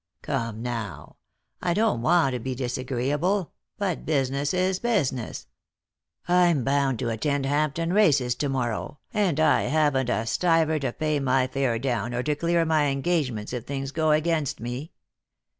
Oome now, I don't want to be disagreeable, but business is business. I'm bound to attend Hampton races to morrow, and I haven't a stiver to pay my fare down or to clear my engagements if things go against me.